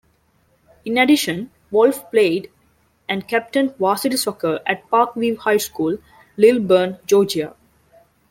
In addition, Wolff played and captained varsity soccer at Parkview High School, Lilburn, Georgia.